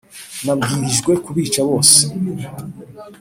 nabwirijwe kubica bose